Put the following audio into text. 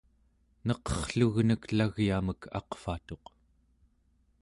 neqerrlugnek elagyamek aqvatuq